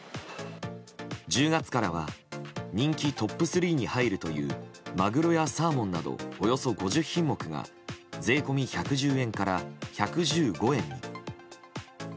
１０月からは人気トップ３に入るというマグロやサーモンなどおよそ５０品目が税込み１１０円から１１５円に。